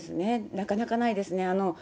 なかなかないですね。